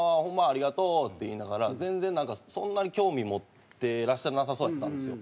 ありがとうって言いながら全然なんかそんなに興味持ってらっしゃらなさそうやったんですよ。